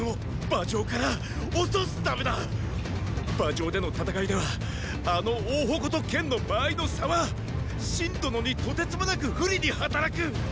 馬上での戦いではあの大矛と剣の間合いの差は信殿にとてつもなく不利に働く。